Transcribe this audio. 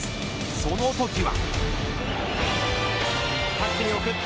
そのときは。